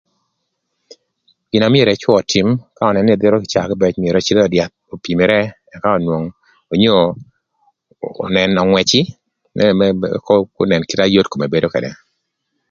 Gin na myero ëcwö ötïm ka önënö n'edhero caa kïbëc myero öcïdhï ï öd yath opimere ëka onwong onyo önën öngwëcï më më më ëka önën kit na yot kome bedo ködë.